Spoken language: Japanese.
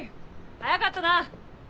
早かったな。